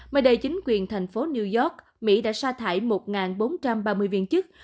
mới đây chính quyền thành phố new york mỹ đã xa thải một bốn trăm ba mươi viên chức